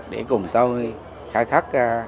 để cùng tôi khai thác